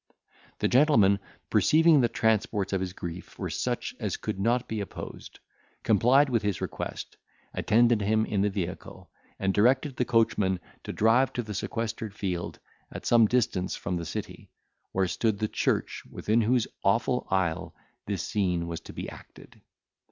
The gentleman perceiving the transports of his grief were such as could not be opposed, complied with his request, attended him in the vehicle, and directed the coachman to drive to a sequestered field, at some distance from the city, where stood the church, within whose awful aisle this scene was to be acted.